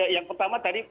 yang pertama tadi